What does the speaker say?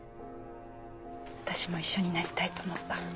私も一緒になりたいと思った。